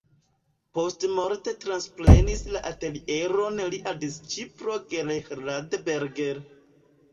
Postmorte transprenis la atelieron lia disĉiplo Gerhard Berger.